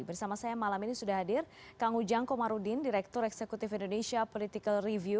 bersama saya malam ini sudah hadir kang ujang komarudin direktur eksekutif indonesia political review